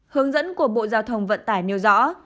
hướng dẫn của bộ giao thông vận tải nêu rõ